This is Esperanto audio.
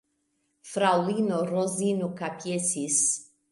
Fraŭlino Rozino kapjesis.